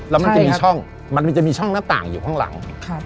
แล้วมันจะมีช่องมันจะมีช่องหน้าต่างอยู่ข้างหลัง